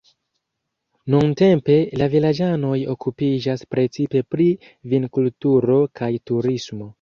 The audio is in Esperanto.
Nuntempe la vilaĝanoj okupiĝas precipe pri vinkulturo kaj turismo.